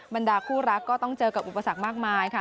บรรดาคู่รักก็ต้องเจอกับอุปสรรคมากมายค่ะ